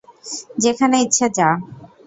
যেখানে ইচ্ছে যা।